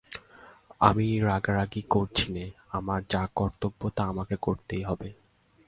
আমি রাগারাগি করছি নে, আমার যা কর্তব্য তা আমাকে করতেই হবে।